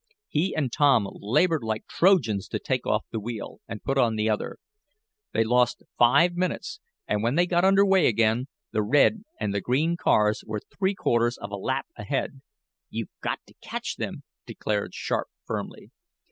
He and Tom labored like Trojans to take off the wheel, and put on the other. They lost five minutes, and when they got under way again the red and the green cars were three quarters of a lap ahead. "You've got to catch them!" declared Sharp firmly.